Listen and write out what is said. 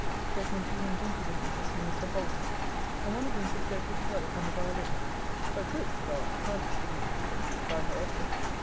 Here came two young gentlewomen to see Mr. Holland, and one of them could play pretty well upon the viallin, but, good God! how these ignorant people did cry her up for it!